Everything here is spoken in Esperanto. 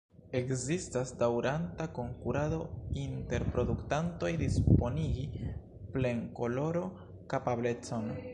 Ekzistas daŭranta konkurado inter produktantoj disponigi plen-kolorokapablecon.